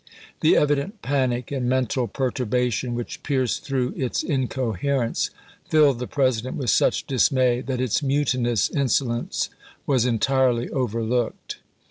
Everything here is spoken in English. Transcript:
The evident panic and mental perturbation which pierced through its incoherence filled the President with such dismay that its mutinous insolence was entirely overlooked.